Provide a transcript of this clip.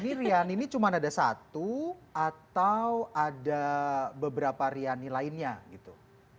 ini riani ini cuma ada satu atau ada beberapa riani lainnya gitu